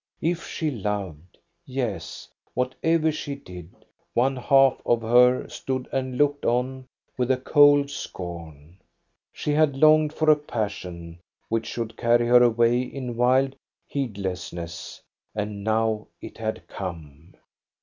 If she loved, yes, whatever she did, one half of her stood and looked on with a cold scorn. She had longed for a passion which should carry her away in wild heedlessness, and now it had come.